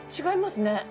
違いますね。